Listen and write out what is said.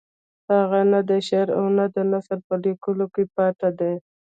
هغه نه د شعر او نه د نثر په لیکلو کې پاتې دی.